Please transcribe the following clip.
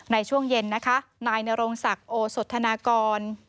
ในช่วงเย็นนะคะนายนรงศักดิ์โอสธนากร